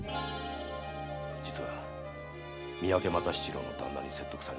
実は三宅又七郎の旦那に説得されて参りやした。